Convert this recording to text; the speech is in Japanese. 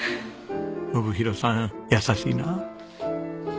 信博さん優しいな。